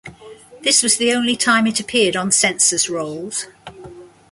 This was the only time it appeared on census rolls.